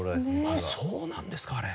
そうなんですかあれ。